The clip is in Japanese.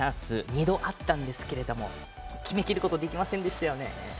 ２度あったんですが決めきることができませんでしたね。